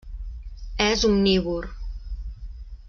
És omnívor.